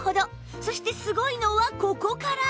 そしてすごいのはここから